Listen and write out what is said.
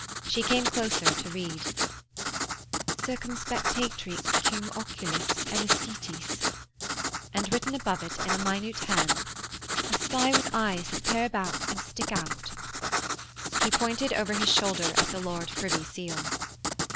She came closer to read: 'Circumspectatrix cum oculis emisitiis!' and written above it in a minute hand: 'A spie with eyes that peer about and stick out.' He pointed over his shoulder at the Lord Privy Seal.